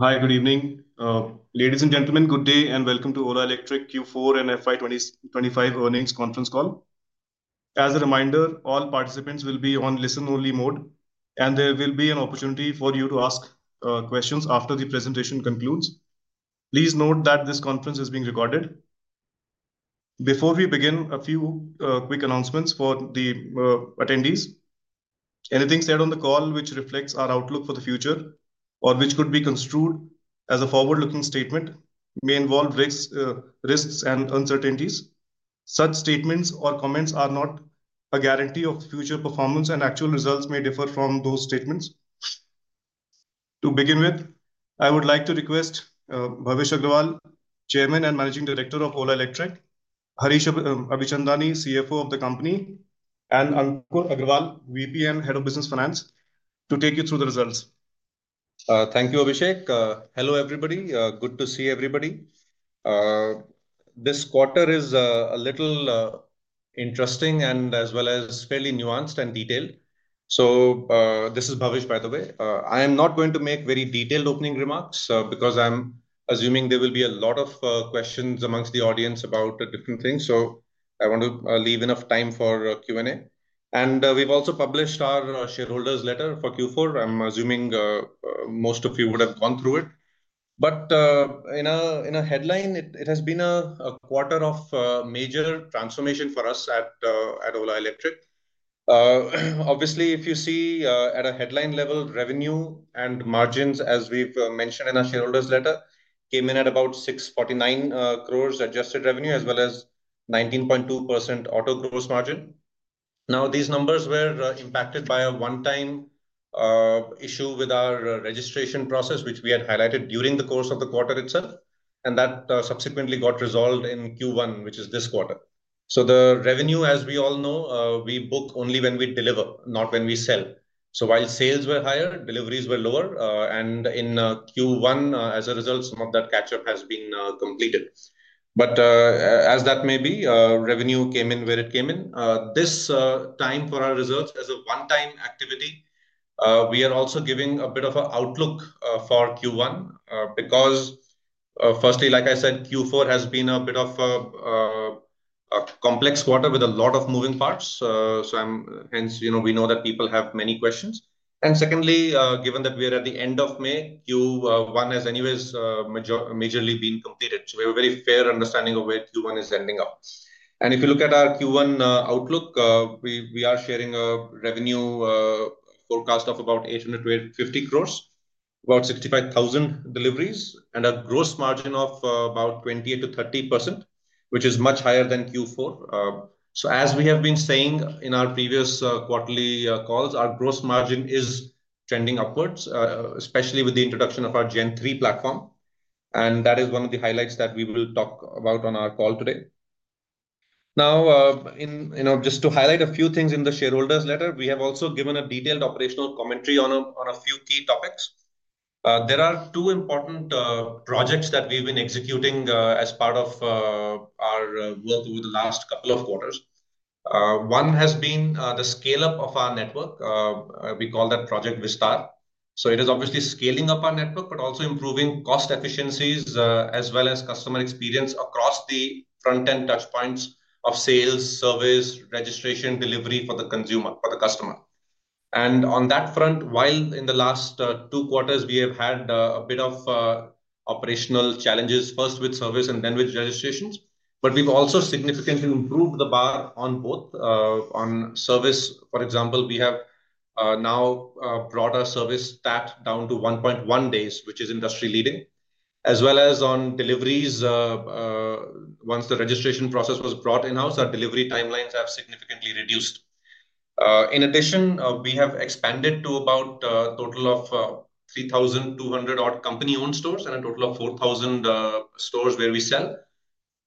Hi, good evening. Ladies and gentlemen, good day and welcome to Ola Electric Q4 and FY 2025 earnings conference call. As a reminder, all participants will be on listen-only mode, and there will be an opportunity for you to ask questions after the presentation concludes. Please note that this conference is being recorded. Before we begin, a few quick announcements for the attendees. Anything said on the call which reflects our outlook for the future or which could be construed as a forward-looking statement may involve risks and uncertainties. Such statements or comments are not a guarantee of future performance, and actual results may differ from those statements. To begin with, I would like to request Bhavish Aggarwal, Chairman and Managing Director of Ola Electric, Harish Abichandani, CFO of the company, and Ankur Aggarwal, VP and Head of Business Finance, to take you through the results. Thank you, Abhishek. Hello, everybody. Good to see everybody. This quarter is a little interesting and as well as fairly nuanced and detailed. So this is Bhavish, by the way. I am not going to make very detailed opening remarks because I'm assuming there will be a lot of questions amongst the audience about different things. I want to leave enough time for Q&A. We have also published our shareholders' letter for Q4. I'm assuming most of you would have gone through it. In a headline, it has been a quarter of major transformation for us at Ola Electric. Obviously, if you see at a headline level, revenue and margins, as we've mentioned in our shareholders' letter, came in at about 649 crore adjusted revenue, as well as 19.2% auto gross margin. Now, these numbers were impacted by a one-time issue with our registration process, which we had highlighted during the course of the quarter itself, and that subsequently got resolved in Q1, which is this quarter. The revenue, as we all know, we book only when we deliver, not when we sell. While sales were higher, deliveries were lower. In Q1, as a result, some of that catch-up has been completed. As that may be, revenue came in where it came in. This time for our results as a one-time activity, we are also giving a bit of an outlook for Q1 because, firstly, like I said, Q4 has been a bit of a complex quarter with a lot of moving parts. Hence, we know that people have many questions. Secondly, given that we are at the end of May, Q1 has anyways majorly been completed. We have a very fair understanding of where Q1 is ending up. If you look at our Q1 outlook, we are sharing a revenue forecast of 800 crore-850 crore, about 65,000 deliveries, and a gross margin of 28%-30%, which is much higher than Q4. As we have been saying in our previous quarterly calls, our gross margin is trending upwards, especially with the introduction of our Gen3 platform. That is one of the highlights that we will talk about on our call today. Just to highlight a few things in the shareholders' letter, we have also given a detailed operational commentary on a few key topics. There are two important projects that we've been executing as part of our work over the last couple of quarters. One has been the scale-up of our network. We call that Project Vistar. It is obviously scaling up our network, but also improving cost efficiencies as well as customer experience across the front-end touchpoints of sales, service, registration, delivery for the consumer, for the customer. On that front, while in the last two quarters, we have had a bit of operational challenges, first with service and then with registrations, we've also significantly improved the bar on both. On service, for example, we have now brought our service stat down to 1.1 days, which is industry-leading, as well as on deliveries. Once the registration process was brought in-house, our delivery timelines have significantly reduced. In addition, we have expanded to about a total of 3,200 odd company-owned stores and a total of 4,000 stores where we sell.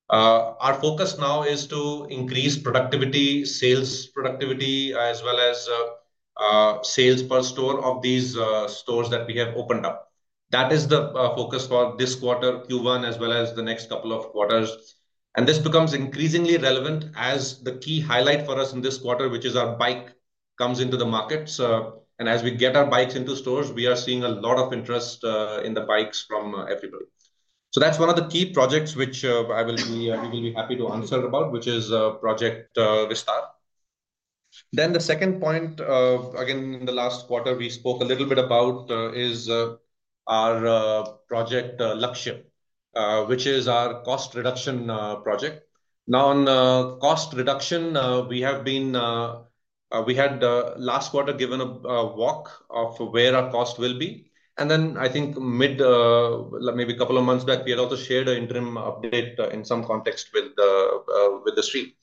Our focus now is to increase productivity, sales productivity, as well as sales per store of these stores that we have opened up. That is the focus for this quarter, Q1, as well as the next couple of quarters. This becomes increasingly relevant as the key highlight for us in this quarter, which is our bike comes into the market. As we get our bikes into stores, we are seeing a lot of interest in the bikes from everybody. That is one of the key projects which I will be happy to answer about, which is Project Vistar. The second point, again, in the last quarter we spoke a little bit about is our Project Lakshya, which is our cost reduction project. Now, on cost reduction, we have been we had last quarter given a walk of where our cost will be. I think mid maybe a couple of months back, we had also shared an interim update in some context with the stream.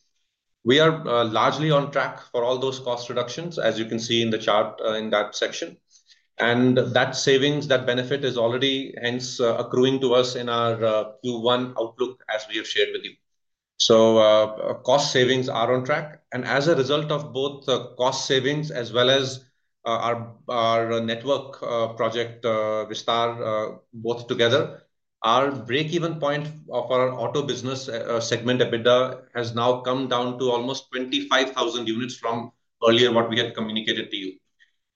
We are largely on track for all those cost reductions, as you can see in the chart in that section. That savings, that benefit is already hence accruing to us in our Q1 outlook, as we have shared with you. Cost savings are on track. As a result of both the cost savings as well as our network project Vistar both together, our break-even point for our auto business segment EBITDA has now come down to almost 25,000 units from earlier what we had communicated to you.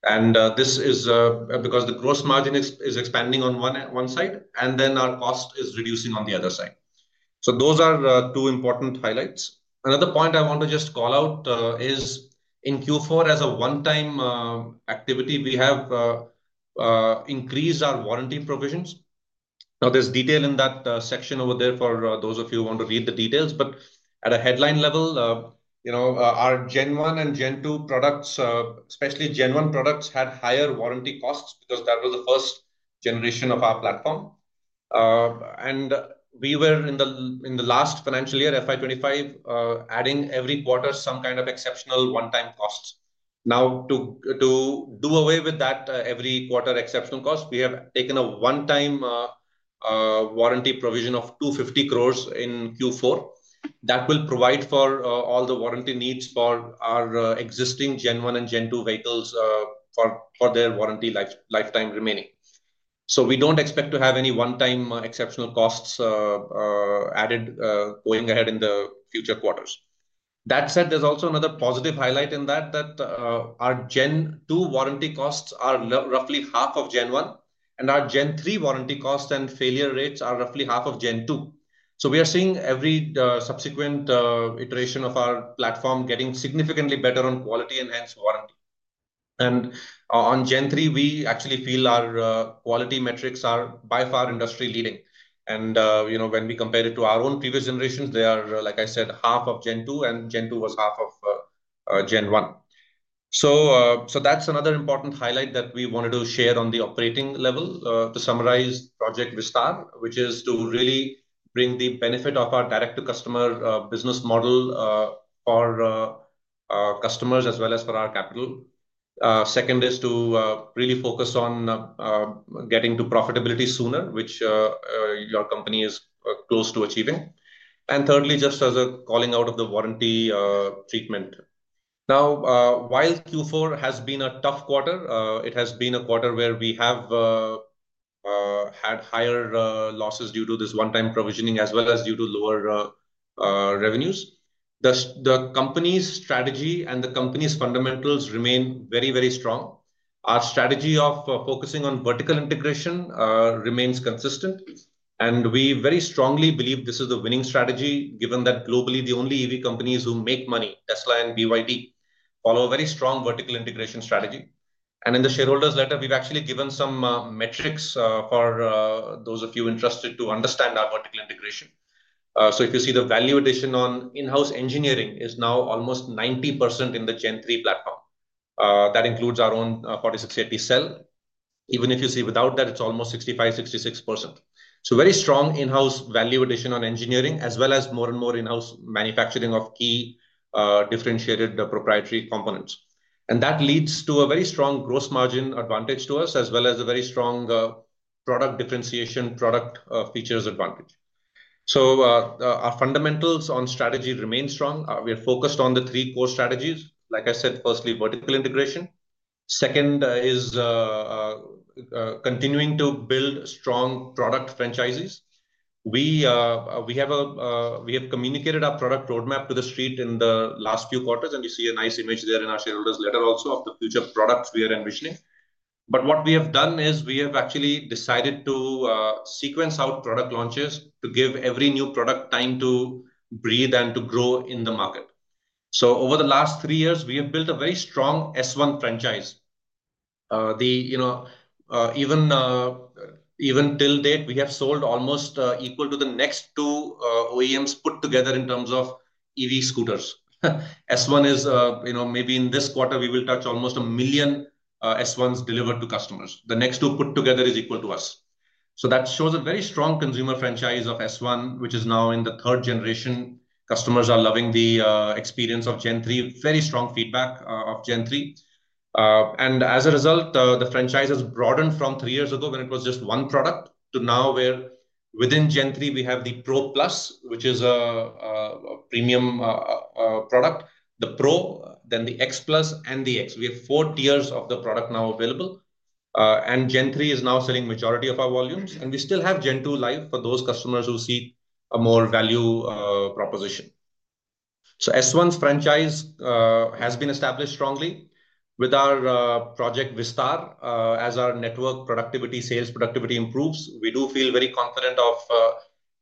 This is because the gross margin is expanding on one side and then our cost is reducing on the other side. Those are two important highlights. Another point I want to just call out is in Q4, as a one-time activity, we have increased our warranty provisions. Now, there is detail in that section over there for those of you who want to read the details. At a headline level, our Gen1 and Gen2 products, especially Gen1 products, had higher warranty costs because that was the first generation of our platform. We were in the last financial year, FY 2025, adding every quarter some kind of exceptional one-time costs. To do away with that every quarter exceptional cost, we have taken a one-time warranty provision of 2.5 billion in Q4. That will provide for all the warranty needs for our existing Gen1 and Gen2 vehicles for their warranty lifetime remaining. We do not expect to have any one-time exceptional costs added going ahead in the future quarters. That said, there is also another positive highlight in that our Gen2 warranty costs are roughly half of Gen1, and our Gen3 warranty costs and failure rates are roughly half of Gen2. We are seeing every subsequent iteration of our platform getting significantly better on quality and hence warranty. On Gen3, we actually feel our quality metrics are by far industry-leading. When we compare it to our own previous generations, they are, like I said, half of Gen2, and Gen2 was half of Gen1. That's another important highlight that we wanted to share on the operating level to summarize Project Vistar, which is to really bring the benefit of our direct-to-customer business model for customers as well as for our capital. Second is to really focus on getting to profitability sooner, which your company is close to achieving. Thirdly, just as a calling out of the warranty treatment. Now, while Q4 has been a tough quarter, it has been a quarter where we have had higher losses due to this one-time provisioning as well as due to lower revenues. The company's strategy and the company's fundamentals remain very, very strong. Our strategy of focusing on vertical integration remains consistent. We very strongly believe this is the winning strategy, given that globally, the only EV companies who make money, Tesla and BYD, follow a very strong vertical integration strategy. In the shareholders' letter, we have actually given some metrics for those of you interested to understand our vertical integration. If you see, the value addition on in-house engineering is now almost 90% in the Gen3 platform. That includes our own 4680 cell. Even if you see without that, it is almost 65%-66%. Very strong in-house value addition on engineering, as well as more and more in-house manufacturing of key differentiated proprietary components. That leads to a very strong gross margin advantage to us, as well as a very strong product differentiation product features advantage. Our fundamentals on strategy remain strong. We are focused on the three core strategies. Like I said, firstly, vertical integration. Second is continuing to build strong product franchises. We have communicated our product roadmap to the street in the last few quarters, and you see a nice image there in our shareholders' letter also of the future products we are envisioning. What we have done is we have actually decided to sequence out product launches to give every new product time to breathe and to grow in the market. Over the last three years, we have built a very strong S1 franchise. Even till date, we have sold almost equal to the next two OEMs put together in terms of EV scooters. S1 is maybe in this quarter, we will touch almost a million S1s delivered to customers. The next two put together is equal to us. That shows a very strong consumer franchise of S1, which is now in the third generation. Customers are loving the experience of Gen3, very strong feedback of Gen3. As a result, the franchise has broadened from three years ago when it was just one product to now where within Gen3, we have the Pro Plus, which is a premium product, the Pro, then the X Plus, and the X. We have four tiers of the product now available. Gen3 is now selling the majority of our volumes. We still have Gen2 live for those customers who see a more value proposition. S1's franchise has been established strongly. With our Project Vistar, as our network productivity, sales productivity improves, we do feel very confident of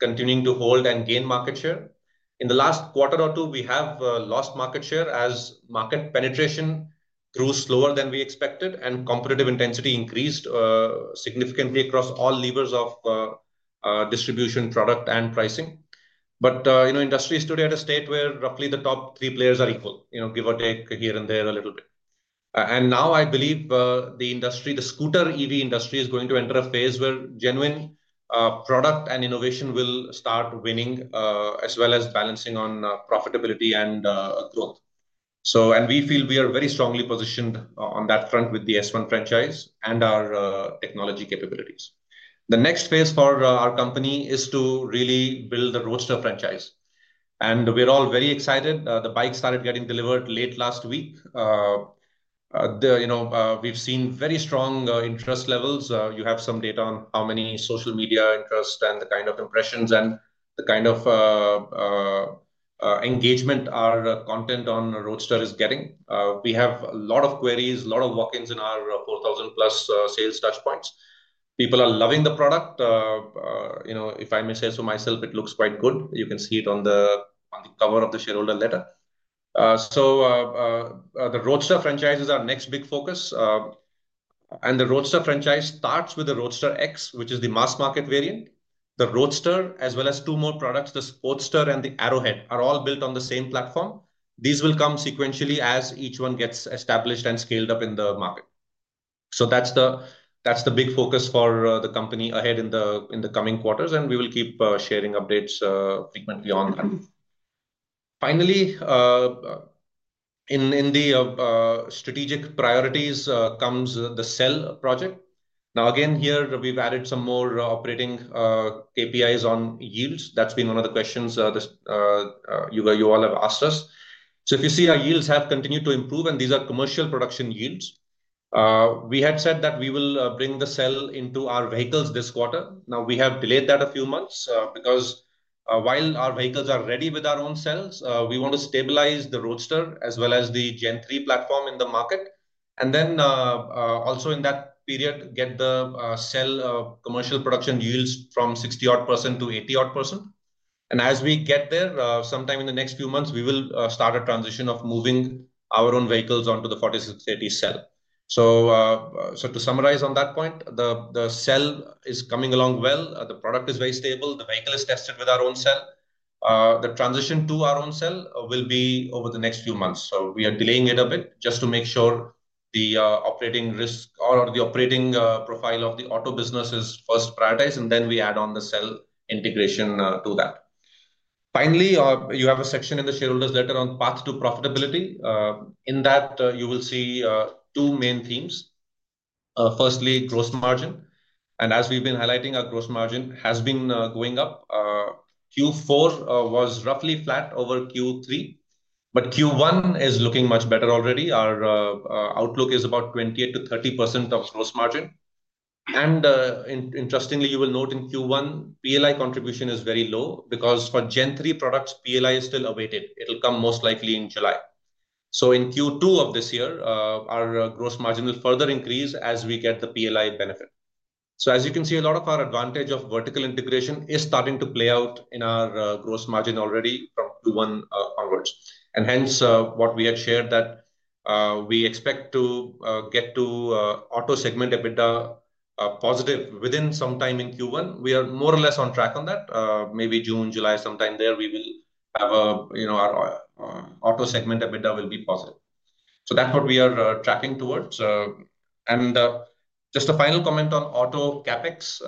continuing to hold and gain market share. In the last quarter or two, we have lost market share as market penetration grew slower than we expected, and competitive intensity increased significantly across all levers of distribution, product, and pricing. The industry is today at a state where roughly the top three players are equal, give or take here and there a little bit. I believe the industry, the scooter EV industry, is going to enter a phase where genuine product and innovation will start winning as well as balancing on profitability and growth. We feel we are very strongly positioned on that front with the S1 franchise and our technology capabilities. The next phase for our company is to really build the Roadster franchise. We are all very excited. The bike started getting delivered late last week. We have seen very strong interest levels. You have some data on how many social media interests and the kind of impressions and the kind of engagement our content on Roadster is getting. We have a lot of queries, a lot of walk-ins in our 4,000-plus sales touchpoints. People are loving the product. If I may say so myself, it looks quite good. You can see it on the cover of the shareholder letter. The Roadster franchise is our next big focus. The Roadster franchise starts with the Roadster X, which is the mass market variant. The Roadster, as well as two more products, the Sportster and the Arrowhead, are all built on the same platform. These will come sequentially as each one gets established and scaled up in the market. That is the big focus for the company ahead in the coming quarters. We will keep sharing updates frequently on that. Finally, in the strategic priorities comes the cell project. Now, again, here we've added some more operating KPIs on yields. That has been one of the questions you all have asked us. If you see, our yields have continued to improve, and these are commercial production yields. We had said that we will bring the cell into our vehicles this quarter. Now, we have delayed that a few months because while our vehicles are ready with our own cells, we want to stabilize the Roadster as well as the Gen3 platform in the market. In that period, get the cell commercial production yields from 60-odd %-80-odd %. As we get there, sometime in the next few months, we will start a transition of moving our own vehicles onto the 4680 cell. To summarize on that point, the cell is coming along well. The product is very stable. The vehicle is tested with our own cell. The transition to our own cell will be over the next few months. We are delaying it a bit just to make sure the operating risk or the operating profile of the auto business is first prioritized, and then we add on the cell integration to that. Finally, you have a section in the shareholders' letter on path to profitability. In that, you will see two main themes. Firstly, gross margin. As we have been highlighting, our gross margin has been going up. Q4 was roughly flat over Q3, but Q1 is looking much better already. Our outlook is about 28%-30% of gross margin. Interestingly, you will note in Q1, PLI contribution is very low because for Gen3 products, PLI is still awaited. It will come most likely in July. In Q2 of this year, our gross margin will further increase as we get the PLI benefit. As you can see, a lot of our advantage of vertical integration is starting to play out in our gross margin already from Q1 onwards. Hence, what we had shared that we expect to get to auto segment EBITDA positive within sometime in Q1, we are more or less on track on that. Maybe June, July, sometime there, we will have our auto segment EBITDA will be positive. That is what we are tracking towards. Just a final comment on auto CapEx.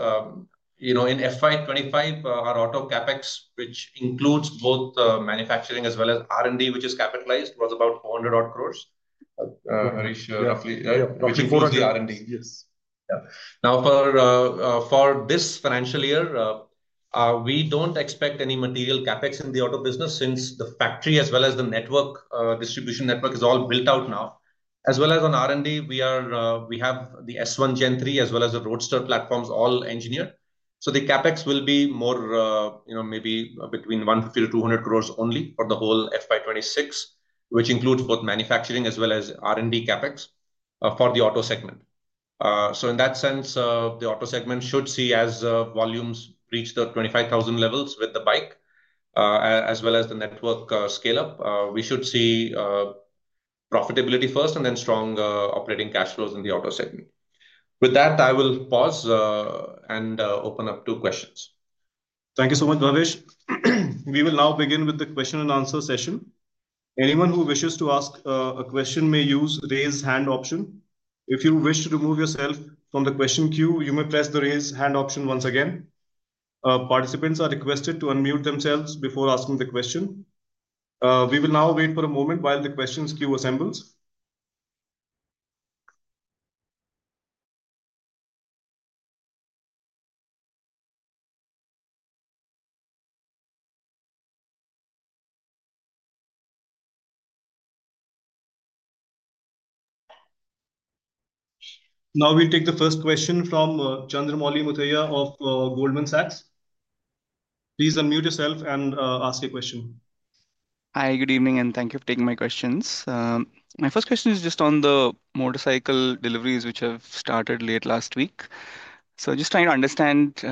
In FY 2025, our auto CapEx, which includes both manufacturing as well as R&D, which is capitalized, was about 400 crore, Harish, roughly. Yep. For the R&D. Yes. Now, for this financial year, we do not expect any material CapEx in the auto business since the factory as well as the distribution network is all built out now. As well as on R&D, we have the S1, Gen3, as well as the Roadster platforms all engineered. So the CapEx will be more maybe between 150 crore-200 crore only for the whole FY 2026, which includes both manufacturing as well as R&D CapEx for the auto segment. In that sense, the auto segment should see as volumes reach the 25,000 levels with the bike as well as the network scale-up, we should see profitability first and then strong operating cash flows in the auto segment. With that, I will pause and open up to questions. Thank you so much, Bhavish. We will now begin with the question and answer session. Anyone who wishes to ask a question may use the raise hand option. If you wish to remove yourself from the question queue, you may press the raise hand option once again. Participants are requested to unmute themselves before asking the question. We will now wait for a moment while the questions queue assembles. Now we take the first question from Chandramouli Muthiah of Goldman Sachs. Please unmute yourself and ask your question. Hi, good evening, and thank you for taking my questions. My first question is just on the motorcycle deliveries, which have started late last week. Just trying to understand,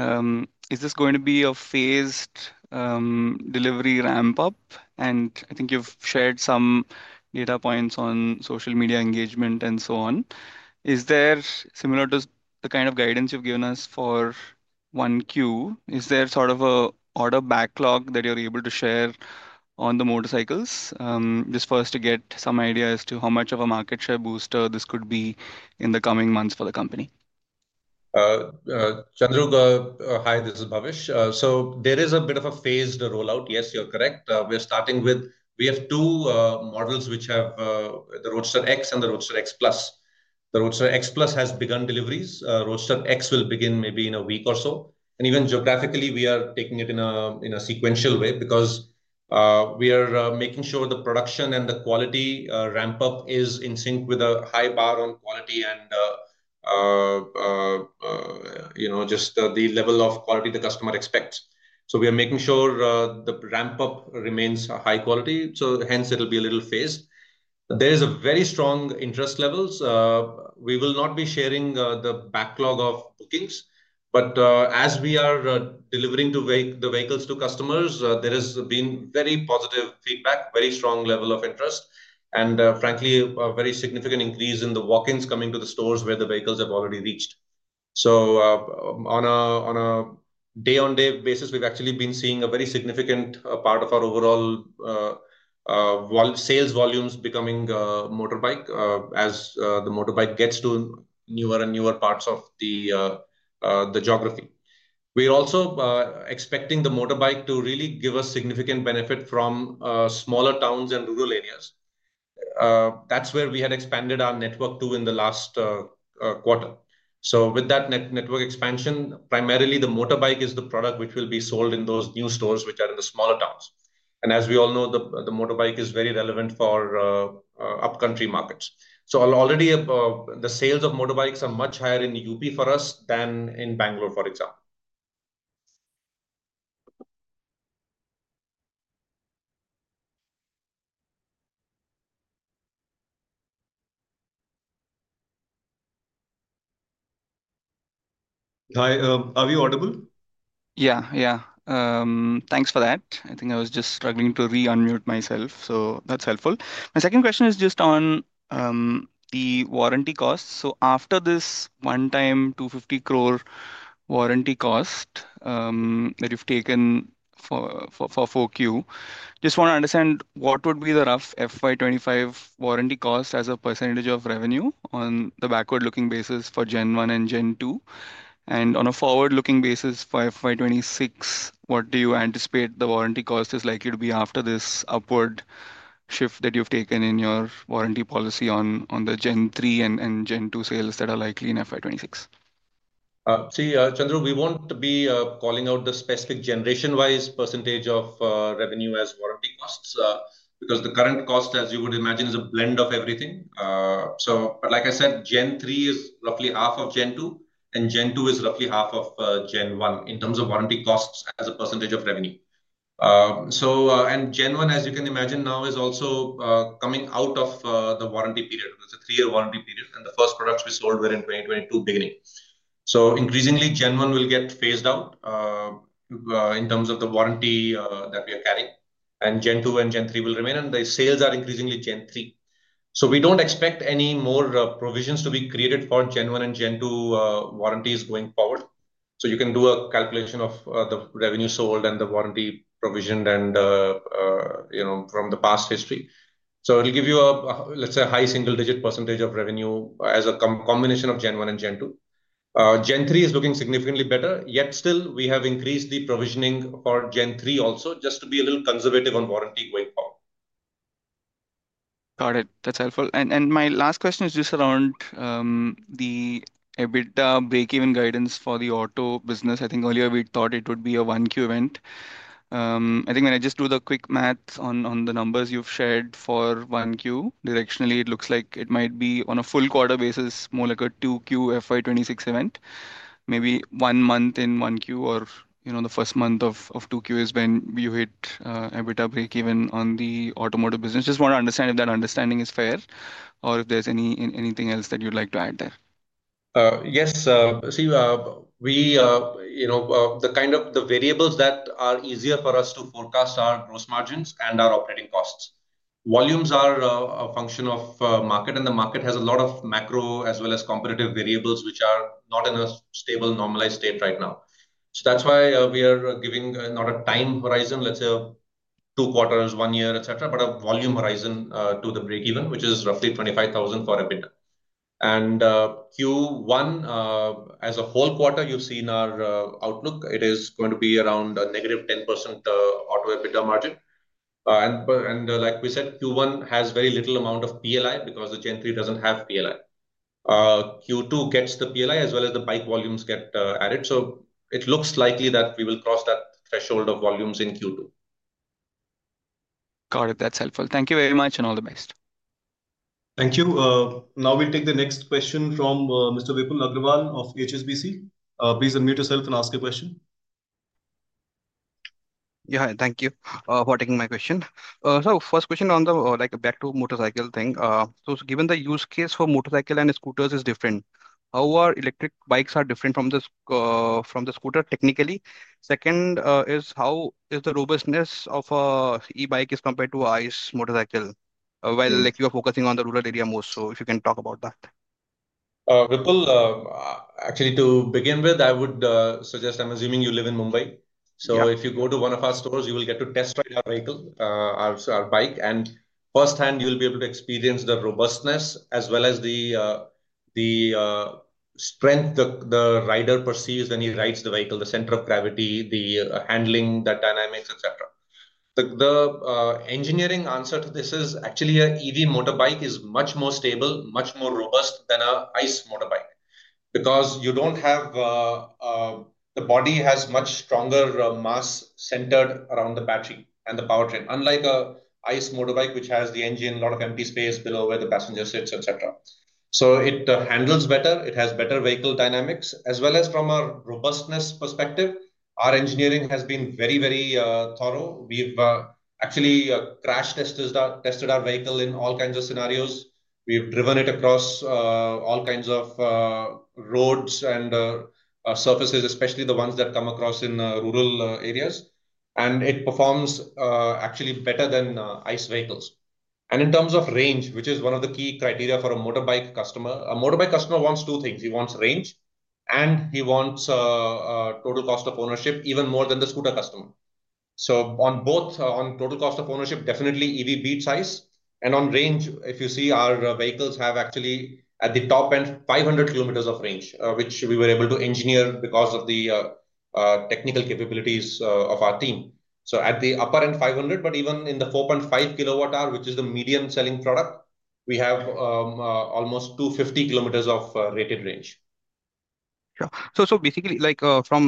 is this going to be a phased delivery ramp-up? I think you've shared some data points on social media engagement and so on. Similar to the kind of guidance you've given us for Q1, is there sort of an order backlog that you're able to share on the motorcycles? Just first to get some idea as to how much of a market share booster this could be in the coming months for the company. Chandru, hi, this is Bhavish. There is a bit of a phased rollout. Yes, you're correct. We are starting with, we have two models, which are the Roadster X and the Roadster X Plus. The Roadster X Plus has begun deliveries. Roadster X will begin maybe in a week or so. Even geographically, we are taking it in a sequential way because we are making sure the production and the quality ramp-up is in sync with a high bar on quality and just the level of quality the customer expects. We are making sure the ramp-up remains high quality. Hence, it'll be a little phased. There is a very strong interest level. We will not be sharing the backlog of bookings. As we are delivering the vehicles to customers, there has been very positive feedback, very strong level of interest, and frankly, a very significant increase in the walk-ins coming to the stores where the vehicles have already reached. On a day-on-day basis, we've actually been seeing a very significant part of our overall sales volumes becoming motorbike as the motorbike gets to newer and newer parts of the geography. We are also expecting the motorbike to really give us significant benefit from smaller towns and rural areas. That is where we had expanded our network to in the last quarter. With that network expansion, primarily the motorbike is the product which will be sold in those new stores which are in the smaller towns. As we all know, the motorbike is very relevant for upcountry markets. Already, the sales of motorbikes are much higher in UP for us than in Bangalore, for example. Hi, are we audible? Yeah, yeah. Thanks for that. I think I was just struggling to re-unmute myself, so that's helpful. My second question is just on the warranty costs. After this one-time 250 crore warranty cost that you've taken for Q4, just want to understand what would be the rough FY 2025 warranty cost as a percentage of revenue on the backward-looking basis for Gen1 and Gen2? On a forward-looking basis for FY 2026, what do you anticipate the warranty cost is likely to be after this upward shift that you've taken in your warranty policy on the Gen3 and Gen2 sales that are likely in FY 2026? See, Chandru, we won't be calling out the specific generation-wise percentage of revenue as warranty costs because the current cost, as you would imagine, is a blend of everything. Like I said, Gen3 is roughly half of Gen2, and Gen2 is roughly half of Gen1 in terms of warranty costs as a percentage of revenue. Gen1, as you can imagine now, is also coming out of the warranty period. It's a three-year warranty period, and the first products we sold were in 2022 beginning. Increasingly, Gen1 will get phased out in terms of the warranty that we are carrying. Gen2 and Gen3 will remain, and the sales are increasingly Gen3. We don't expect any more provisions to be created for Gen1 and Gen2 warranties going forward. You can do a calculation of the revenue sold and the warranty provisioned from the past history. It'll give you, let's say, a high single-digit percentage of revenue as a combination of Gen1 and Gen2. Gen3 is looking significantly better. Yet still, we have increased the provisioning for Gen3 also just to be a little conservative on warranty going forward. Got it. That's helpful. My last question is just around the EBITDA break-even guidance for the auto business. I think earlier we thought it would be a one-quarter event. I think when I just do the quick math on the numbers you've shared for one quarter, directionally, it looks like it might be on a full quarter basis, more like a two-quarter FY 2026 event. Maybe one month in one quarter or the first month of two quarters when you hit EBITDA break-even on the automotive business. Just want to understand if that understanding is fair or if there's anything else that you'd like to add there. Yes, Sir. See, the kind of variables that are easier for us to forecast are gross margins and our operating costs. Volumes are a function of market, and the market has a lot of macro as well as competitive variables which are not in a stable normalized state right now. That is why we are giving not a time horizon, let's say two quarters, one year, etc., but a volume horizon to the break-even, which is roughly 25,000 for EBITDA. Q1, as a whole quarter, you've seen our outlook. It is going to be around a negative 10% auto EBITDA margin. Like we said, Q1 has a very little amount of PLI because the Gen3 doesn't have PLI. Q2 gets the PLI as well as the bike volumes get added. It looks likely that we will cross that threshold of volumes in Q2. Got it. That's helpful. Thank you very much and all the best. Thank you. Now we take the next question from Mr. Vipul Agrawal of HSBC. Please unmute yourself and ask your question. Yeah, thank you for taking my question. First question on the back to motorcycle thing. Given the use case for motorcycle and scooters is different, how are electric bikes different from the scooter technically? Second is how is the robustness of an e-bike compared to a motorcycle? While you're focusing on the rural area most, if you can talk about that. Vipul, actually, to begin with, I would suggest I'm assuming you live in Mumbai. If you go to one of our stores, you will get to test ride our vehicle, our bike. Firsthand, you'll be able to experience the robustness as well as the strength the rider perceives when he rides the vehicle, the center of gravity, the handling, the dynamics, etc. The engineering answer to this is actually an EV motorbike is much more stable, much more robust than an ICE motorbike because you don't have the body has much stronger mass centered around the battery and the powertrain, unlike an ICE motorbike which has the engine, a lot of empty space below where the passenger sits, etc. It handles better. It has better vehicle dynamics. As well as from a robustness perspective, our engineering has been very, very thorough. We've actually crash tested our vehicle in all kinds of scenarios. We've driven it across all kinds of roads and surfaces, especially the ones that come across in rural areas. It performs actually better than ICE vehicles. In terms of range, which is one of the key criteria for a motorbike customer, a motorbike customer wants two things. He wants range, and he wants total cost of ownership even more than the scooter customer. On total cost of ownership, definitely EV beats ICE. On range, if you see, our vehicles have actually at the top end, 500 km of range, which we were able to engineer because of the technical capabilities of our team. At the upper end, 500, but even in the 4.5 kilowatt-hour, which is the medium-selling product, we have almost 250 km of rated range. Basically, from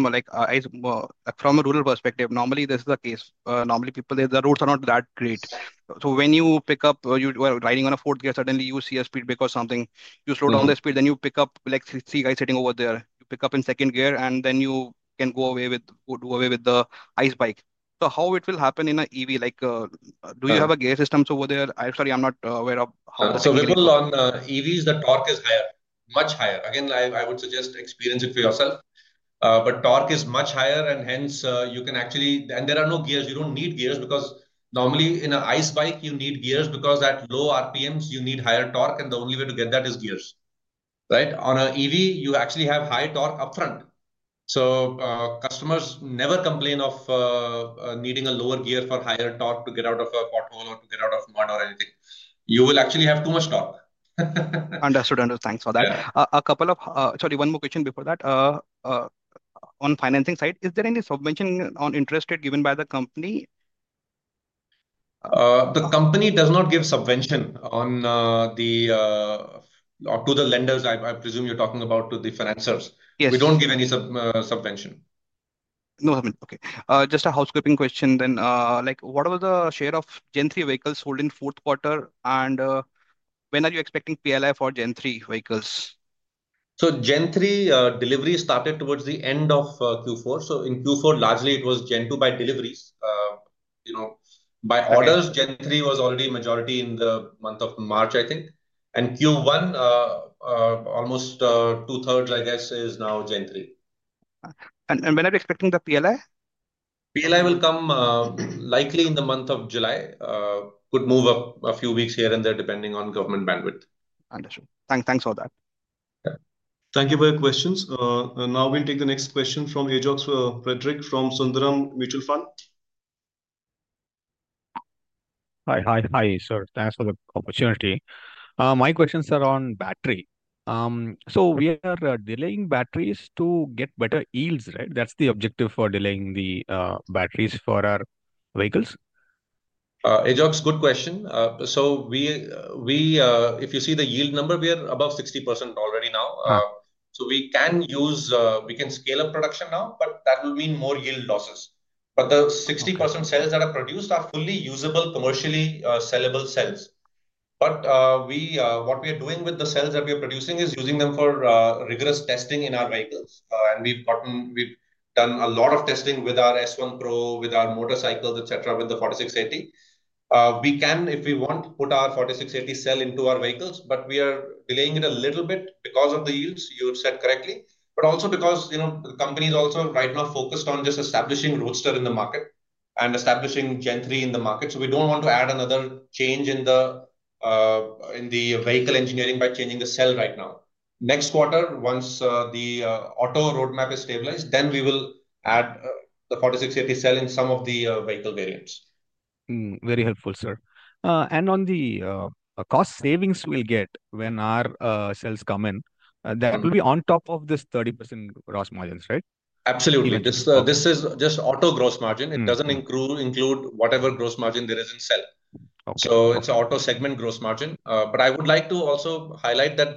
a rural perspective, normally this is the case. Normally, the roads are not that great. When you pick up riding on a fourth gear, suddenly you see a speed because something, you slow down the speed, then you pick up three guys sitting over there. You pick up in second gear, and then you can go away with the ICE bike. How will it happen in an EV? Do you have a gear system over there? I'm sorry, I'm not aware of how. Vipul, on EVs, the torque is higher, much higher. I would suggest experience it for yourself. Torque is much higher, and hence you can actually, and there are no gears. You do not need gears because normally in an ICE bike, you need gears because at low RPMs, you need higher torque, and the only way to get that is gears, right? On an EV, you actually have high torque upfront. Customers never complain of needing a lower gear for higher torque to get out of a pothole or to get out of mud or anything. You will actually have too much torque. Understood. Understood. Thanks for that. A couple of sorry, one more question before that. On financing side, is there any subvention on interest rate given by the company? The company does not give subvention to the lenders. I presume you're talking about to the financers. We don't give any subvention. No subvention. Okay. Just a housekeeping question then. What was the share of Gen3 vehicles sold in fourth quarter? And when are you expecting PLI for Gen3 vehicles? Gen3 delivery started towards the end of Q4. In Q4, largely, it was Gen2 by deliveries. By orders, Gen3 was already majority in the month of March, I think. Q1, almost two-thirds, I guess, is now Gen3. When are you expecting the PLI? PLI will come likely in the month of July. Could move up a few weeks here and there depending on government bandwidth. Understood. Thanks for that. Thank you for your questions. Now we'll take the next question from Ajox Frederick from Sundaram Mutual Fund. Hi. Hi, sir. Thanks for the opportunity. My questions are on battery. We are delaying batteries to get better yields, right? That's the objective for delaying the batteries for our vehicles? Ajox, good question. If you see the yield number, we are above 60% already now. We can scale up production now, but that will mean more yield losses. The 60% cells that are produced are fully usable commercially sellable cells. What we are doing with the cells that we are producing is using them for rigorous testing in our vehicles. We have done a lot of testing with our S1 Pro, with our motorcycles, etc., with the 4680. We can, if we want, put our 4680 cell into our vehicles, but we are delaying it a little bit because of the yields, you said correctly, but also because the company is also right now focused on just establishing Roadster in the market and establishing Gen3 in the market. We do not want to add another change in the vehicle engineering by changing the cell right now. Next quarter, once the auto roadmap is stabilized, we will add the 4680 cell in some of the vehicle variants. Very helpful, sir. On the cost savings we will get when our cells come in, that will be on top of this 30% gross margins, right? Absolutely. This is just auto gross margin. It does not include whatever gross margin there is in cell. It is auto segment gross margin. I would like to also highlight that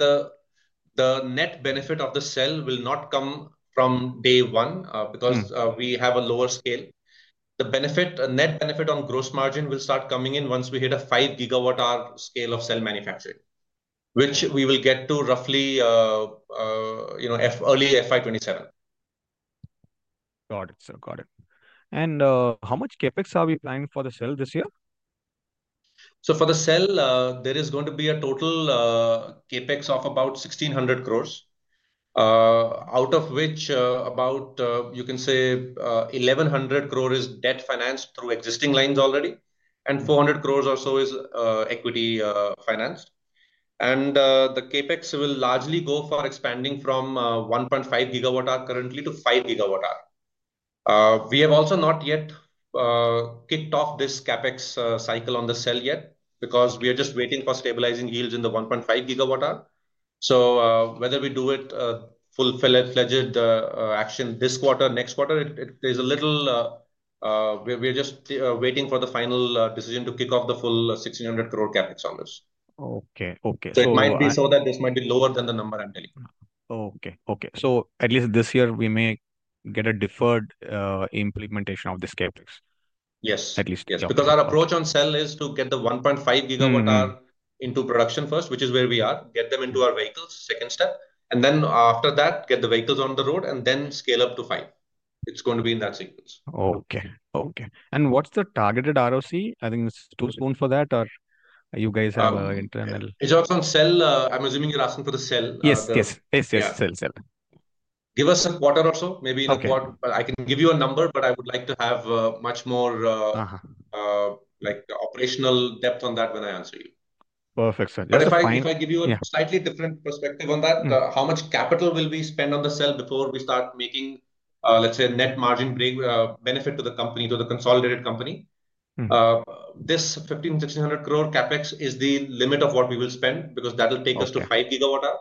the net benefit of the cell will not come from day one because we have a lower scale. The net benefit on gross margin will start coming in once we hit a 5 gigawatt-hour scale of cell manufacturing, which we will get to roughly early fiscal year 2027. Got it, sir. Got it. How much CapEx are we planning for the cell this year? For the cell, there is going to be a total CapEx of about 1,600 crore, out of which about, you can say, 1,100 crore is debt financed through existing lines already, and 400 crore or so is equity financed. The CapEx will largely go for expanding from 1.5 gigawatt-hour currently to 5 gigawatt-hour. We have also not yet kicked off this CapEx cycle on the cell yet because we are just waiting for stabilizing yields in the 1.5 gigawatt-hour. Whether we do it, fulfill it, full-fledged action this quarter, next quarter, it is a little, we're just waiting for the final decision to kick off the full 1,600 crore CapEx on this. Okay. Okay. It might be so that this might be lower than the number I'm telling you. Okay. Okay. At least this year, we may get a deferred implementation of this CapEx. Yes, At least. Because our approach on cell is to get the 1.5 gigawatt-hour into production first, which is where we are, get them into our vehicles, second step, and then after that, get the vehicles on the road, and then scale up to five. It's going to be in that sequence. Okay. Okay. And what's the targeted ROC? I think it's two spoons for that, or you guys have internal? Ajox on cell, I'm assuming you're asking for the cell? Yes. Yes. Yes. Yes. Cell. Cell. Give us a quarter or so, maybe in a quarter. I can give you a number, but I would like to have much more operational depth on that when I answer you. Perfect, sir. If I give you a slightly different perspective on that, how much capital will we spend on the cell before we start making, let's say, net margin benefit to the company, to the consolidated company? This 1,500-1,600 crore CapEx is the limit of what we will spend because that will take us to 5 gigawatt-hour,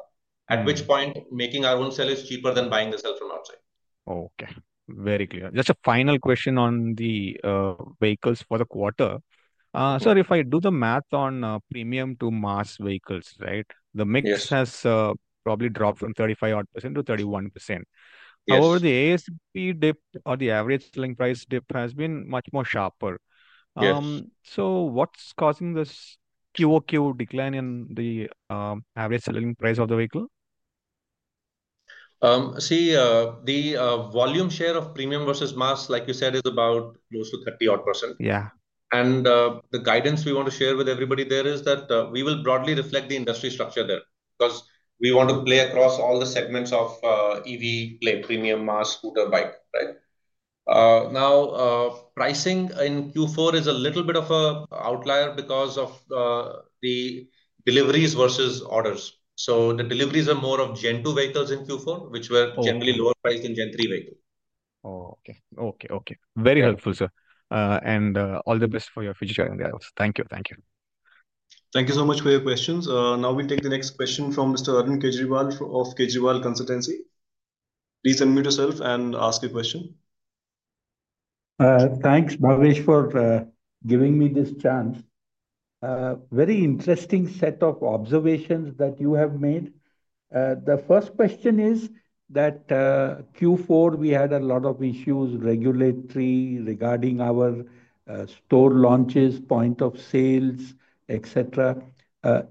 at which point making our own cell is cheaper than buying the cell from outside. Okay. Very clear. Just a final question on the vehicles for the quarter. Sir, if I do the math on premium to mass vehicles, right, the mix has probably dropped from 35%-31%. However, the ASB dip or the average selling price dip has been much more sharper. What's causing this QOQ decline in the average selling price of the vehicle? See, the volume share of premium versus mass, like you said, is about close to 30%. The guidance we want to share with everybody there is that we will broadly reflect the industry structure there because we want to play across all the segments of EV, premium, mass, scooter, bike, right? Now, pricing in Q4 is a little bit of an outlier because of the deliveries versus orders. The deliveries are more of Gen2 vehicles in Q4, which were generally lower priced than Gen3 vehicles. Okay. Okay. Okay. Very helpful, sir. All the best for your future journey. Thank you. Thank you. Thank you so much for your questions. Now we'll take the next question from Mr. Arun Kejriwal of Kejriwal Consultancy. Please unmute yourself and ask your question. Thanks, Bhavish, for giving me this chance. Very interesting set of observations that you have made. The first question is that Q4, we had a lot of issues regulatory regarding our store launches, point of sales, etc.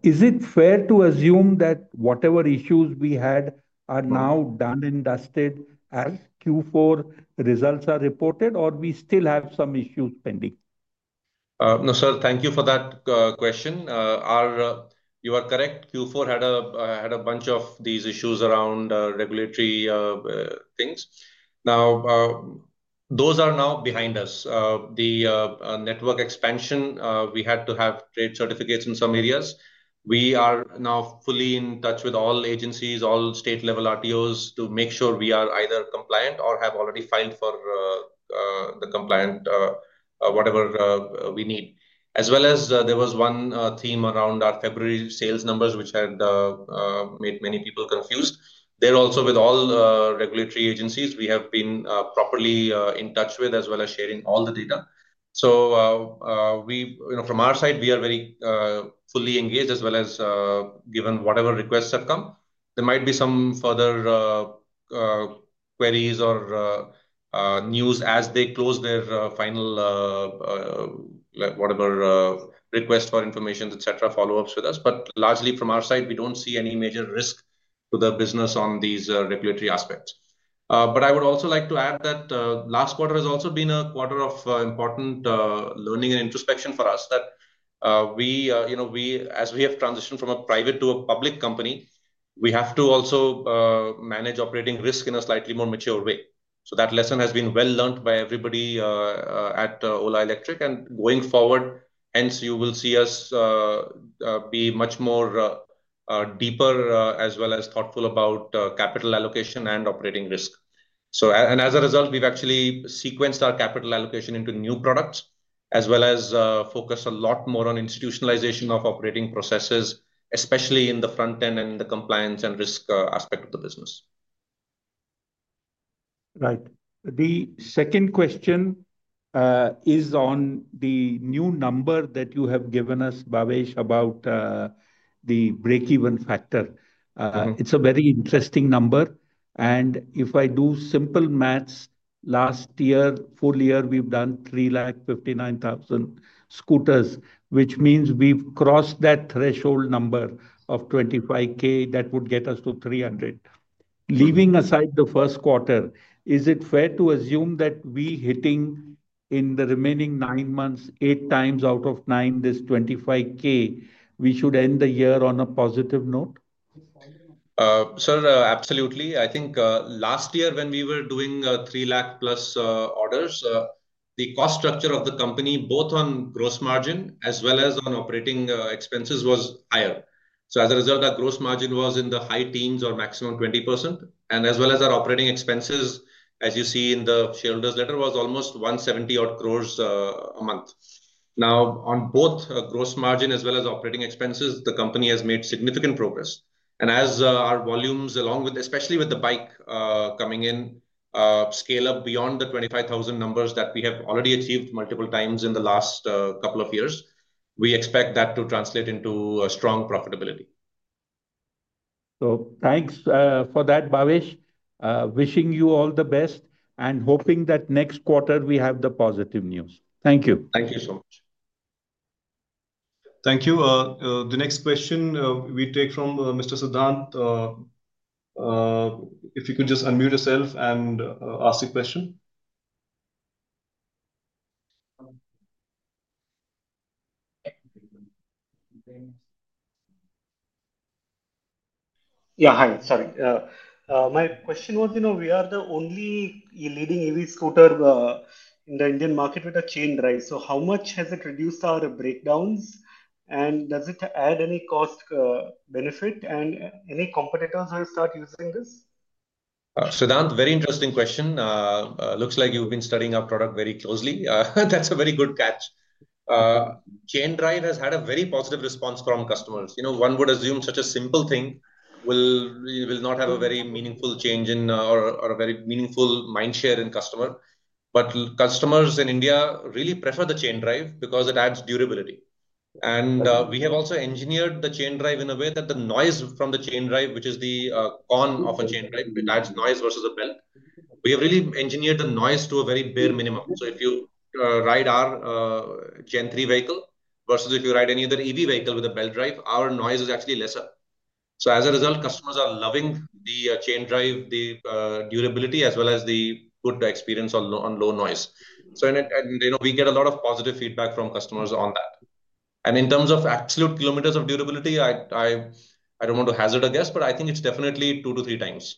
Is it fair to assume that whatever issues we had are now done and dusted as Q4 results are reported, or we still have some issues pending? No, sir. Thank you for that question. You are correct. Q4 had a bunch of these issues around regulatory things. Now, those are now behind us. The network expansion, we had to have trade certificates in some areas. We are now fully in touch with all agencies, all state-level RTOs to make sure we are either compliant or have already filed for the compliant, whatever we need. As well as there was one theme around our February sales numbers, which had made many people confused. There also, with all regulatory agencies, we have been properly in touch with as well as sharing all the data. From our side, we are very fully engaged as well as given whatever requests have come. There might be some further queries or news as they close their final whatever request for information, follow-ups with us. Largely from our side, we do not see any major risk to the business on these regulatory aspects. I would also like to add that last quarter has also been a quarter of important learning and introspection for us that as we have transitioned from a private to a public company, we have to also manage operating risk in a slightly more mature way. That lesson has been well learned by everybody at Ola Electric. Going forward, hence you will see us be much more deeper as well as thoughtful about capital allocation and operating risk. As a result, we've actually sequenced our capital allocation into new products as well as focused a lot more on institutionalization of operating processes, especially in the front end and the compliance and risk aspect of the business. Right. The second question is on the new number that you have given us, Bhavish, about the break-even factor. It's a very interesting number. If I do simple maths, last year, full year, we've done 359,000 scooters, which means we've crossed that threshold number of 25k that would get us to 300. Leaving aside the first quarter, is it fair to assume that we hitting in the remaining nine months, eight times out of nine, this 25k we should end the year on a positive note? Sir, absolutely. I think last year when we were doing 300,000 plus orders, the cost structure of the company, both on gross margin as well as on operating expenses, was higher. As a result, our gross margin was in the high teens or maximum 20%. As well as our operating expenses, as you see in the shareholders' letter, was almost 1.7 billion a month. Now, on both gross margin as well as operating expenses, the company has made significant progress. As our volumes, especially with the bike coming in, scale up beyond the 25,000 numbers that we have already achieved multiple times in the last couple of years, we expect that to translate into strong profitability. Thanks for that, Bhavish. Wishing you all the best and hoping that next quarter we have the positive news. Thank you. Thank you so much. Thank you. The next question we take from Mr. Sudhant. If you could just unmute yourself and ask the question. Yeah. Hi. Sorry. My question was, we are the only leading EV scooter in the Indian market with a chain drive. How much has it reduced our breakdowns? Does it add any cost benefit? Any competitors will start using this? Sudhant, very interesting question. Looks like you have been studying our product very closely. That is a very good catch. Chain drive has had a very positive response from customers. One would assume such a simple thing will not have a very meaningful change in or a very meaningful mind share in customer. Customers in India really prefer the chain drive because it adds durability. We have also engineered the chain drive in a way that the noise from the chain drive, which is the con of a chain drive, it adds noise versus a belt. We have really engineered the noise to a very bare minimum. If you ride our Gen3 vehicle versus if you ride any other EV vehicle with a belt drive, our noise is actually lesser. As a result, customers are loving the chain drive, the durability, as well as the good experience on low noise. We get a lot of positive feedback from customers on that. In terms of absolute kilometers of durability, I do not want to hazard a guess, but I think it is definitely two to three times.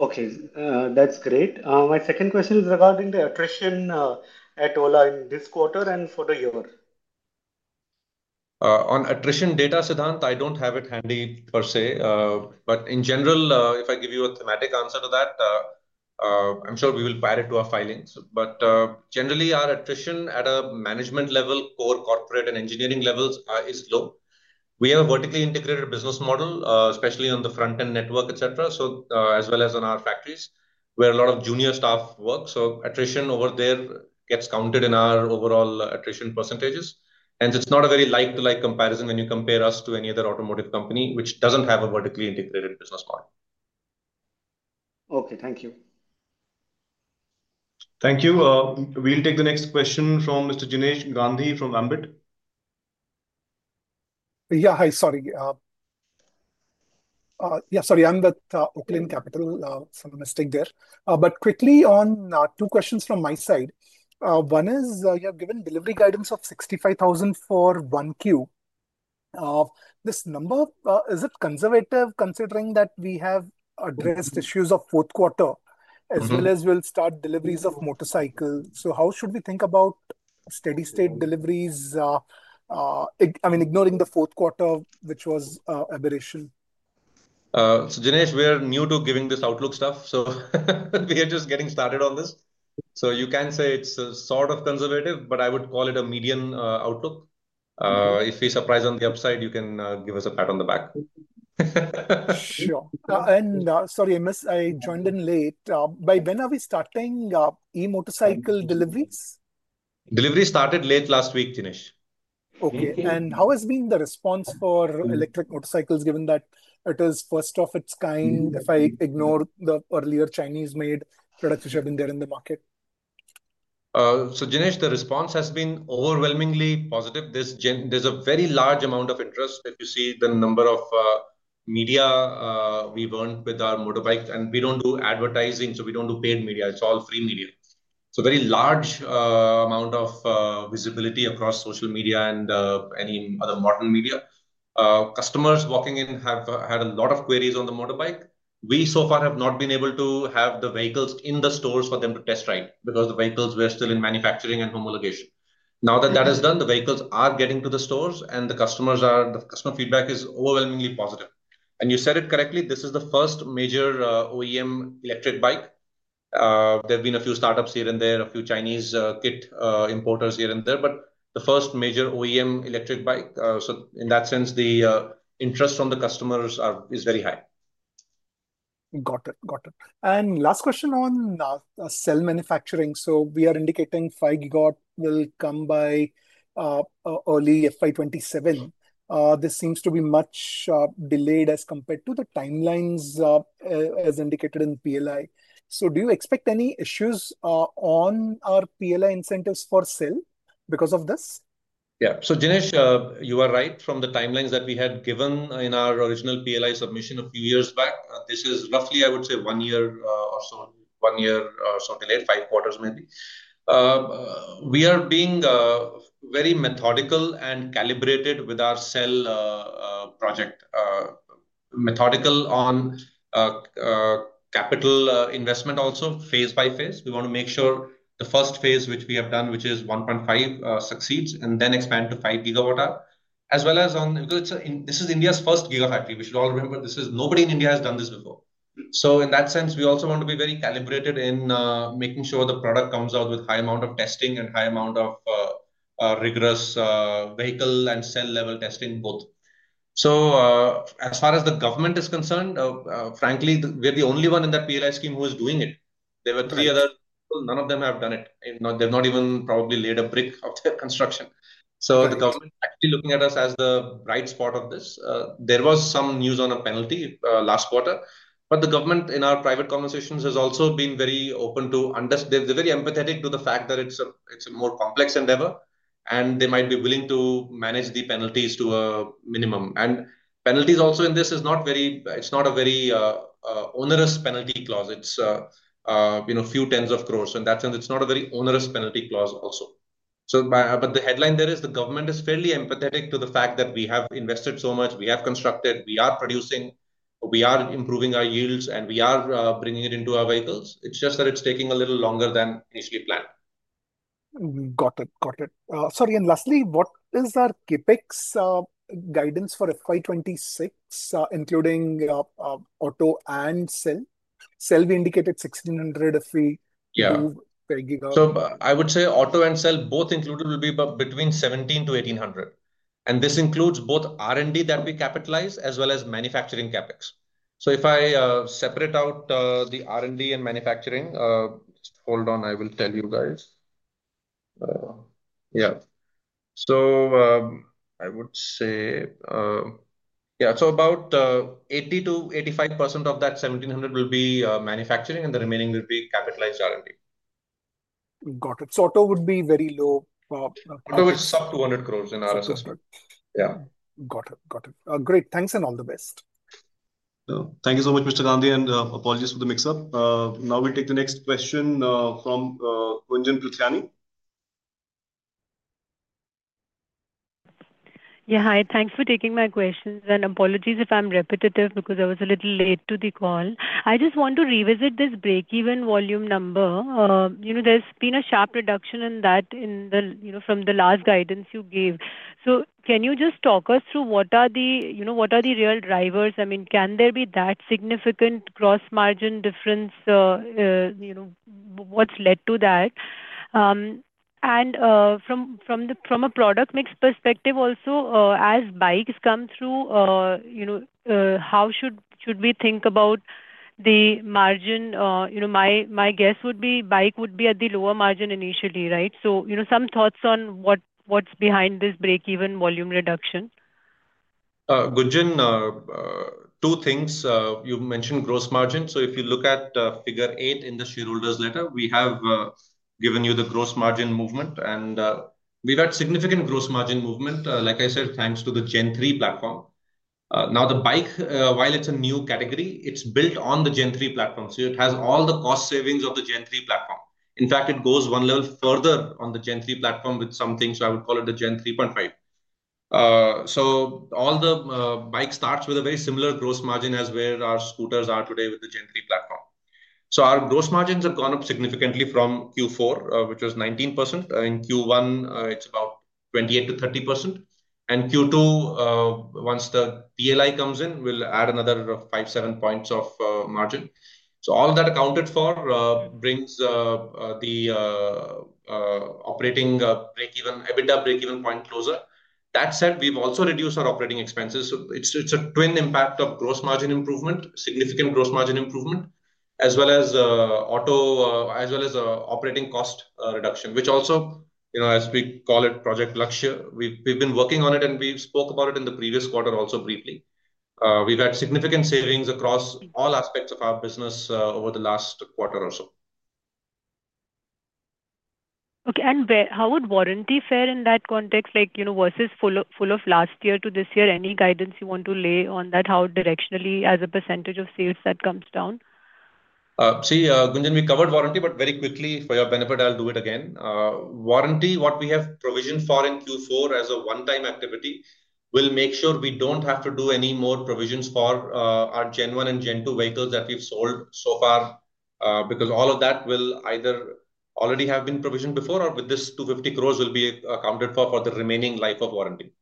Okay. That is great. My second question is regarding the attrition at Ola in this quarter and for the year. On attrition data, Sudhant, I don't have it handy per se. In general, if I give you a thematic answer to that, I'm sure we will fire it to our filings. Generally, our attrition at a management level, core corporate and engineering levels is low. We have a vertically integrated business model, especially on the front end network, etc., as well as on our factories where a lot of junior staff work. Attrition over there gets counted in our overall attrition percentages. It's not a very like-to-like comparison when you compare us to any other automotive company, which doesn't have a vertically integrated business model. Okay. Thank you. Thank you. We'll take the next question from Mr. JInesh Gandhi from Ambit. Hi. Sorry. Yeah. Sorry. I'm with Oaklanecapital. I'm going to stick there. Quickly on two questions from my side. One is you have given delivery guidance of 65,000 for one queue. This number, is it conservative considering that we have addressed issues of fourth quarter as well as we'll start deliveries of motorcycles? How should we think about steady-state deliveries? I mean, ignoring the fourth quarter, which was aberrational. Jinesh, we are new to giving this Outlook stuff. We are just getting started on this. You can say it's sort of conservative, but I would call it a median Outlook. If we surprise on the upside, you can give us a pat on the back. Sure. Sorry, I joined in late. By when are we starting e-motorcycle deliveries? Deliveries started late last week, Jinesh. Okay. How has been the response for electric motorcycles given that it is first of its kind if I ignore the earlier Chinese-made products which have been there in the market? Jinesh, the response has been overwhelmingly positive. There is a very large amount of interest. If you see the number of media we have earned with our motorbikes. We do not do advertising, so we do not do paid media. It is all free media. Very large amount of visibility across social media and any other modern media. Customers walking in have had a lot of queries on the motorbike. We so far have not been able to have the vehicles in the stores for them to test ride because the vehicles were still in manufacturing and homologation. Now that that is done, the vehicles are getting to the stores, and the customer feedback is overwhelmingly positive. You said it correctly. This is the first major OEM electric bike. There have been a few startups here and there, a few Chinese kit importers here and there, but the first major OEM electric bike. In that sense, the interest from the customers is very high. Got it. Got it. Last question on cell manufacturing. We are indicating 5 gigawatt go will come by early FY2027. This seems to be much delayed as compared to the timelines as indicated in PLI. Do you expect any issues on our PLI incentives for cell because of this? Yeah. Jinesh, you are right from the timelines that we had given in our original PLI submission a few years back. This is roughly, I would say, one year or so, one year or so delayed, five quarters maybe. We are being very methodical and calibrated with our cell project, methodical on capital investment also, phase by phase. We want to make sure the first phase, which we have done, which is 1.5, succeeds, and then expand to 5G as well as on because this is India's first gigafactory. We should all remember this is nobody in India has done this before. In that sense, we also want to be very calibrated in making sure the product comes out with a high amount of testing and a high amount of rigorous vehicle and cell-level testing both. As far as the government is concerned, frankly, we're the only one in that PLI scheme who is doing it. There were three other people. None of them have done it. They've not even probably laid a brick of their construction. The government is actually looking at us as the bright spot of this. There was some news on a penalty last quarter. The government, in our private conversations, has also been very open to—they are very empathetic to the fact that it is a more complex endeavor, and they might be willing to manage the penalties to a minimum. Penalties also in this are not very—it is not a very onerous penalty clause. It is a few tens of crore. In that sense, it is not a very onerous penalty clause also. The headline there is the government is fairly empathetic to the fact that we have invested so much, we have constructed, we are producing, we are improving our yields, and we are bringing it into our vehicles. It is just that it is taking a little longer than initially planned. Got it. Got it. Sorry. Lastly, what is our CapEx guidance for FY2026, including auto and cell? Cell, we indicated INR 1,600 crore if we move 5 gigawatt. I would say auto and cell, both included, will be between 1,700-1,800 crore. This includes both R&D that we capitalize as well as manufacturing CapEx. If I separate out the R&D and manufacturing, just hold on. I will tell you guys. Yeah. I would say, yeah, about 80%-85% of that 1,700 crore will be manufacturing, and the remaining will be capitalized R&D. Got it. Auto would be very low. Auto is sub 200 crore in our assessment. Yeah. Got it. Got it. Great. Thanks and all the best. Thank you so much, Mr. Gandhi, and apologies for the mix-up. Now we'll take the next question from Gunjan Prithyani. Yeah. Hi. Thanks for taking my questions. Apologies if I'm repetitive because I was a little late to the call. I just want to revisit this break-even volume number. There's been a sharp reduction in that from the last guidance you gave. Can you just talk us through what are the real drivers? I mean, can there be that significant gross margin difference? What's led to that? From a product mix perspective also, as bikes come through, how should we think about the margin? My guess would be bike would be at the lower margin initially, right? Some thoughts on what's behind this break-even volume reduction? Gunjan, two things. You mentioned gross margin. If you look at figure eight in the shareholders' letter, we have given you the gross margin movement. We've had significant gross margin movement, like I said, thanks to the Gen3 platform. Now, the bike, while it's a new category, it's built on the Gen3 platform. So it has all the cost savings of the Gen3 platform. In fact, it goes one level further on the Gen3 platform with something, so I would call it a Gen3.5. So all the bike starts with a very similar gross margin as where our scooters are today with the Gen3 platform. So our gross margins have gone up significantly from Q4, which was 19%. In Q1, it's about 28%-30%. In Q2, once the PLI comes in, will add another five-seven percentage points of margin. All that accounted for brings the operating break-even point closer. That said, we've also reduced our operating expenses. It's a twin impact of gross margin improvement, significant gross margin improvement, as well as auto, as well as operating cost reduction, which also, as we call it, project luxury. We've been working on it, and we spoke about it in the previous quarter also briefly. We've had significant savings across all aspects of our business over the last quarter or so. Okay. How would warranty fare in that context versus full of last year to this year? Any guidance you want to lay on that? How directionally as a percentage of sales that comes down? See, Gunjan, we covered warranty, but very quickly, for your benefit, I'll do it again, Warranty, what we have provisioned for in Q4 as a one-time activity, will make sure we do not have to do any more provisions for our Gen1 and Gen2 vehicles that we have sold so far because all of that will either already have been provisioned before or with this 250 crore will be accounted for for the remaining life of warranty.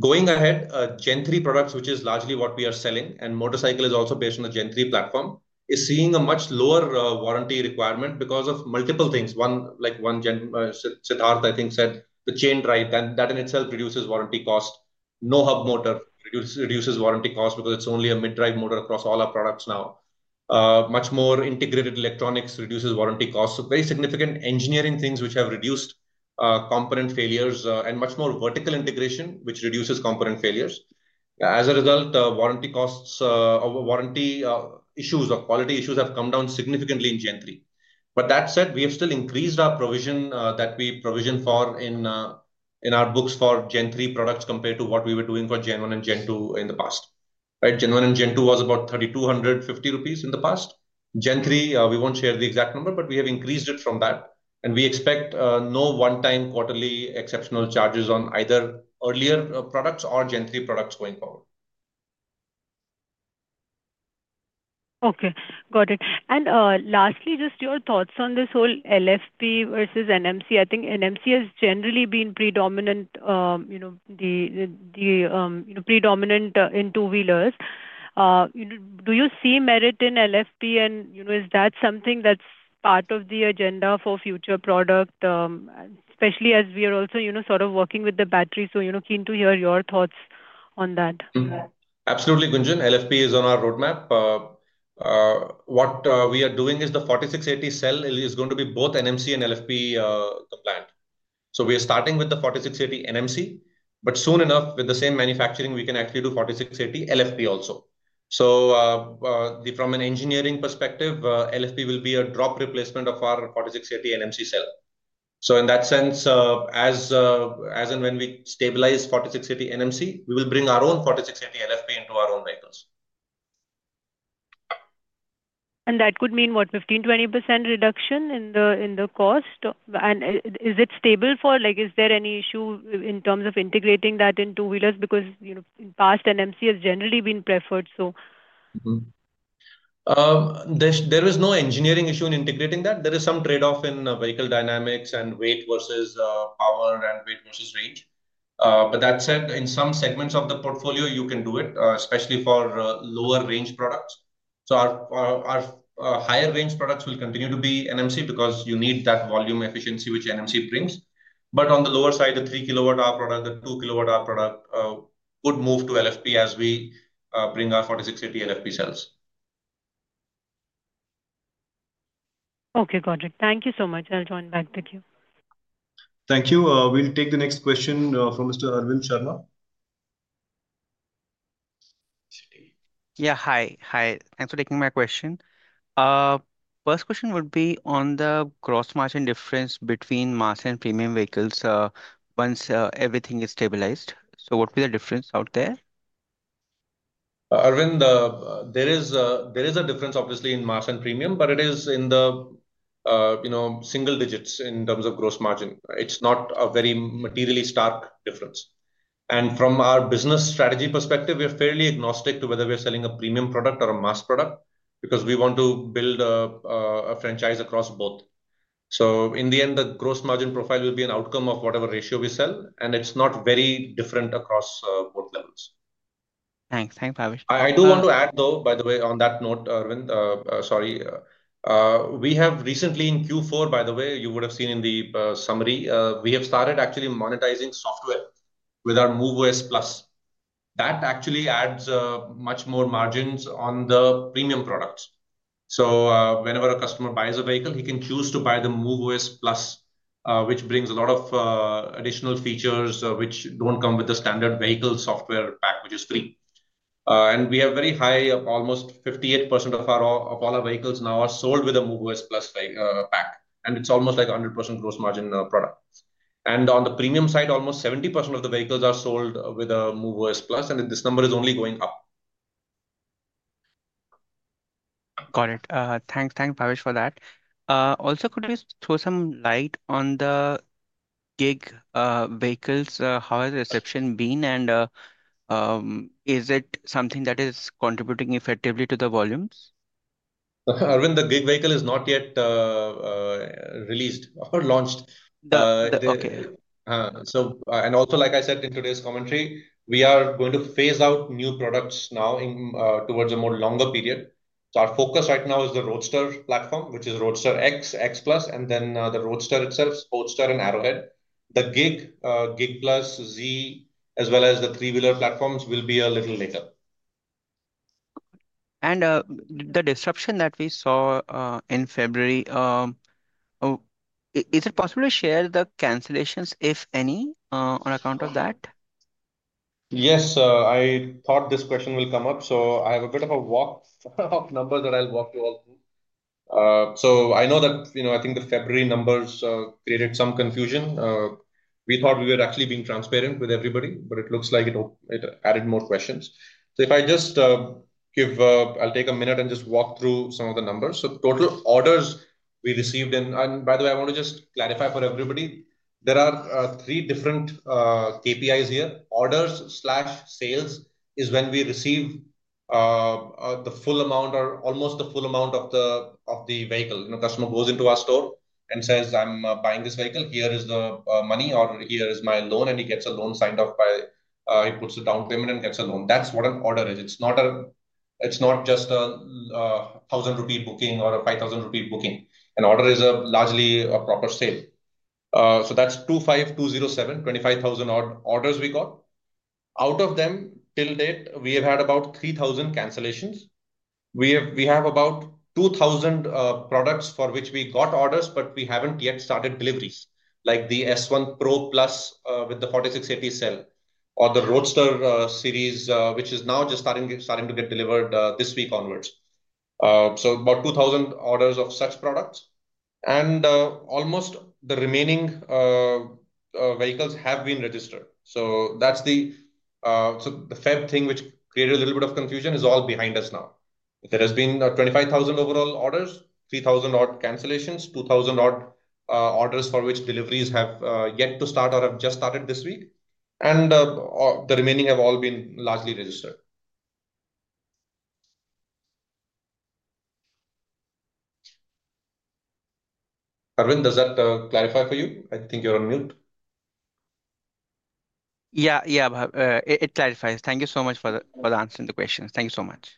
Going ahead, Gen3 products, which is largely what we are selling, and motorcycle is also based on the Gen3 platform, is seeing a much lower warranty requirement because of multiple things. One, like one Siddharth, I think, said, the chain drive, that in itself reduces warranty cost. No hub motor reduces warranty cost because it is only a mid-drive motor across all our products now. Much more integrated electronics reduces warranty costs. Very significant engineering things which have reduced component failures and much more vertical integration, which reduces component failures. As a result, warranty issues or quality issues have come down significantly in Gen3. That said, we have still increased our provision that we provision for in our books for Gen3 products compared to what we were doing for Gen1 and Gen2 in the past. Right? Gen1 and Gen2 was about INR 3,250 in the past. Gen3, we will not share the exact number, but we have increased it from that. We expect no one-time quarterly exceptional charges on either earlier products or Gen3 products going forward. Okay. Got it. Lastly, just your thoughts on this whole LFP versus NMC. I think NMC has generally been predominant, the predominant in two-wheelers. Do you see merit in LFP, and is that something that is part of the agenda for future product, especially as we are also sort of working with the battery? Seen to hear your thoughts on that. Absolutely, Gunjan. LFP is on our roadmap. What we are doing is the 4680 cell is going to be both NMC and LFP compliant. We are starting with the 4680 NMC, but soon enough, with the same manufacturing, we can actually do 4680 LFP also. From an engineering perspective, LFP will be a drop replacement of our 4680 NMC cell. In that sense, as and when we stabilize 4680 NMC, we will bring our own 4680 LFP into our own vehicles. That could mean what, 15%-20% reduction in the cost? Is it stable for is there any issue in terms of integrating that in two-wheelers? Because in the past, NMC has generally been preferred. There is no engineering issue in integrating that. There is some trade-off in vehicle dynamics and weight versus power and weight versus range. That said, in some segments of the portfolio, you can do it, especially for lower-range products. Our higher-range products will continue to be NMC because you need that volume efficiency which NMC brings. On the lower side, the 3 kilowatt-hour product, the 2 kilowatt-hour product would move to LFP as we bring our 4680 LFP cells. Okay. Got it. Thank you so much. I'll join back. Thank you. Thank you. We'll take the next question from Mr. Arvind Sharma. Yeah. Hi. Hi. Thanks for taking my question. First question would be on the gross margin difference between mass and premium vehicles once everything is stabilized. What would be the difference out there? Arvind, there is a difference, obviously, in mass and premium, but it is in the single digits in terms of gross margin. It's not a very materially stark difference. From our business strategy perspective, we are fairly agnostic to whether we're selling a premium product or a mass product because we want to build a franchise across both. In the end, the gross margin profile will be an outcome of whatever ratio we sell, and it's not very different across both levels. Thanks. Thanks, Bhavish. I do want to add, though, by the way, on that note, Arvind, sorry. We have recently in Q4, by the way, you would have seen in the summary, we have started actually monetizing software with our MoveOS Plus. That actually adds much more margins on the premium products. Whenever a customer buys a vehicle, he can choose to buy the MoveOS Plus, which brings a lot of additional features which don't come with the standard vehicle software pack, which is free. We have very high, almost 58% of all our vehicles now are sold with a MoveOS Plus pack. It is almost like a 100% gross margin product. On the premium side, almost 70% of the vehicles are sold with a MoveOS Plus, and this number is only going up. Got it. Thanks. Thanks, Bhavish, for that. Also, could you throw some light on the gig vehicles? How has the reception been? Is it something that is contributing effectively to the volumes? Arvind, the gig vehicle is not yet released or launched. Like I said in today's commentary, we are going to phase out new products now towards a more longer period. Our focus right now is the Roadster platform, which is Roadster X, X Plus, and then the Roadster itself, Roadster and Arrowhead. The Gig Plus, Z, as well as the three-wheeler platforms will be a little later. The disruption that we saw in February, is it possible to share the cancellations, if any, on account of that? Yes. I thought this question would come up, so I have a bit of a walk of numbers that I'll walk you all through. I know that I think the February numbers created some confusion. We thought we were actually being transparent with everybody, but it looks like it added more questions. If I just give, I'll take a minute and just walk through some of the numbers. Total orders we received in, and by the way, I want to just clarify for everybody. There are three different KPIs here. Orders/sales is when we receive the full amount or almost the full amount of the vehicle. A customer goes into our store and says, "I'm buying this vehicle. Here is the money," or, "Here is my loan," and he gets a loan signed off by he puts a down payment and gets a loan. That's what an order is. It's not just an 1,000 rupee booking or an 5,000 rupee booking. An order is largely a proper sale. So that's 25,207, 25,000 orders we got. Out of them, till date, we have had about 3,000 cancellations. We have about 2,000 products for which we got orders, but we haven't yet started deliveries, like the S1 Pro+ with the 4680 cell or the Roadster series, which is now just starting to get delivered this week onwards. About 2,000 orders of such products. Almost the remaining vehicles have been registered. The February thing, which created a little bit of confusion, is all behind us now. There have been 25,000 overall orders, 3,000 odd cancellations, 2,000 odd orders for which deliveries have yet to start or have just started this week. The remaining have all been largely registered. Arvind, does that clarify for you? I think you're on mute. Yeah. Yeah. It clarifies. Thank you so much for answering the questions. Thank you so much.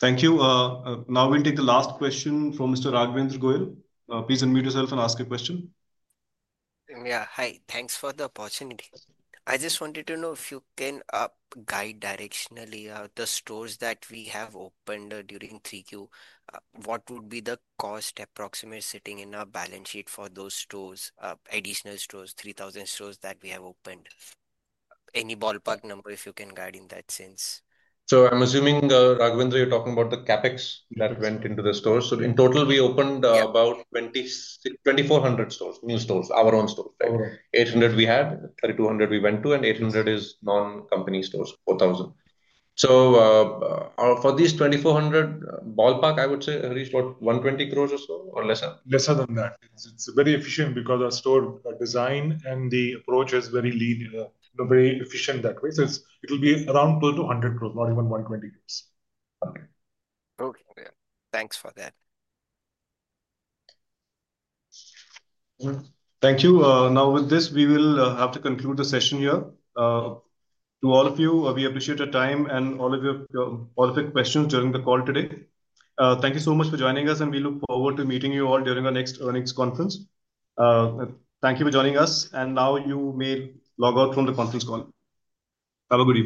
Thank you. Now we'll take the last question from Mr. Raghavendra Goyal. Please unmute yourself and ask your question. Yeah. Hi. Thanks for the opportunity. I just wanted to know if you can guide directionally the stores that we have opened during 3Q, what would be the cost approximate sitting in our balance sheet for those stores, additional stores, 3,000 stores that we have opened? Any ballpark number if you can guide in that sense. I'm assuming, Raghavendra, you're talking about the CapEx that went into the stores. In total, we opened about 2,400 stores, new stores, our own stores, right? 800 we had, 3,200 we went to, and 800 is non-company stores, 4,000. For these 2,400, ballpark, I would say, at least what, 120 crore or so or lesser? Lesser than that. It is very efficient because our store design and the approach is very efficient that way. It will be around close to 100 crore, not even 120 crore. Okay. Okay. Thanks for that. Thank you. Now, with this, we will have to conclude the session here. To all of you, we appreciate your time and all of your questions during the call today. Thank you so much for joining us, and we look forward to meeting you all during our next earnings conference. Thank you for joining us, and now you may log out from the conference call. Have a good day.